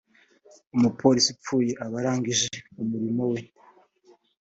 umupolisi upfuye aba arangije umurimo we